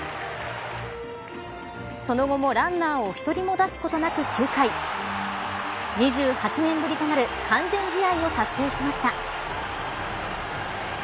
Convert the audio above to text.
その後もランナーを１人も出すことなく９回２８年ぶりとなる完全試合を達成しました。